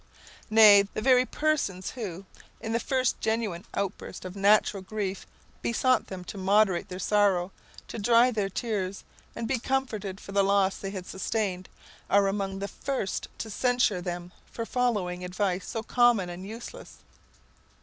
Nay, the very persons who, in the first genuine outburst of natural grief besought them to moderate their sorrow, to dry their tears, and be comforted for the loss they had sustained, are among the first to censure them for following advice so common and useless.